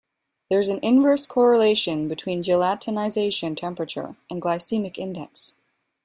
There is an inverse correlation between gelatinization temperature and glycemic index.